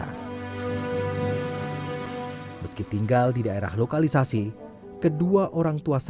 dan setiap langkahnya yakni istri dan ibunda tercintanya